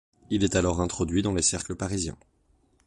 Il est alors introduit dans les cercles parisiens.